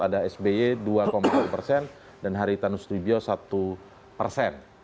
ada sby dua lima persen dan haritanus tribio satu persen